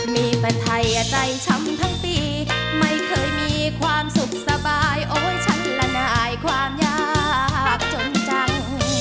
มีแต่ไทยใจช้ำทั้งปีไม่เคยมีความสุขสบายโอ๊ยฉันละนายความยากจนจัง